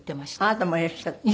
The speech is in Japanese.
あなたもいらっしゃった？